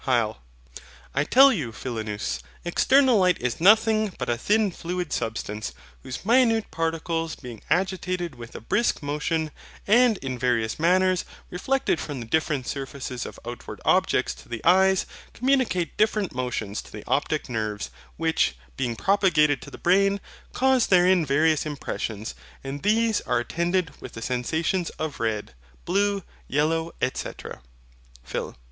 HYL. . I tell you, Philonous, external light is nothing but a thin fluid substance, whose minute particles being agitated with a brisk motion, and in various manners reflected from the different surfaces of outward objects to the eyes, communicate different motions to the optic nerves; which, being propagated to the brain, cause therein various impressions; and these are attended with the sensations of red, blue, yellow, &c. PHIL.